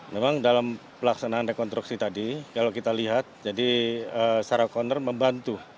memang dalam pelaksanaan rekonstruksi tadi kalau kita lihat jadi sarah conner membantu